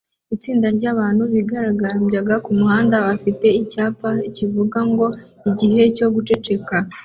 Itsinda ryabantu bigaragambyaga kumuhanda bafite icyapa kivuga ngo "igihe cyo guceceka"